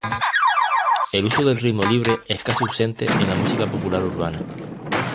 El uso del ritmo libre es casi ausente en la música popular urbana.